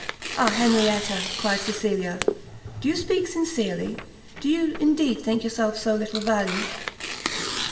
"Ah Henrietta!" cried Cecilia, "do you speak sincerely? do you indeed think yourself so little valued?"